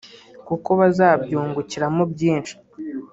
kuko bazabyungukiramo byinshi